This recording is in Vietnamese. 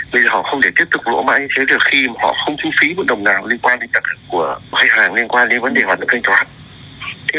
bây giờ họ không thể tiếp tục lỗ mãi như thế được khi họ không thu phí một đồng nào liên quan đến tận hợp của khách hàng liên quan đến vấn đề hoạt động kinh toán